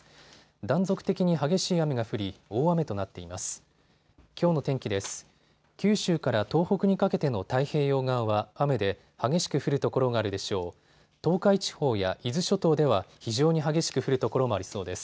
断続的に激しい雨が降り、大雨となっています。